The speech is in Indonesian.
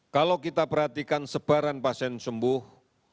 kalau kita perhatikan sebaran pasien sembuh